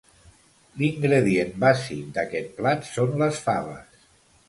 L'ingredient bàsic d'aquest plat són les faves.